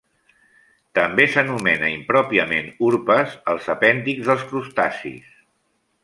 També s'anomena impròpiament urpes als apèndixs de crustacis.